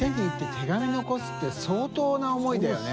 手紙残すって相当な思いだよね。